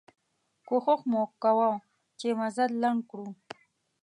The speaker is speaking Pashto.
کوښښ مو کوه چې مزل لنډ کړو.